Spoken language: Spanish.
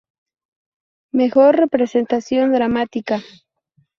Mejor representación dramática.